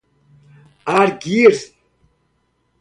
arguir